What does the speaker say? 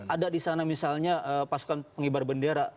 ada di sana misalnya pasukan pengibar bendera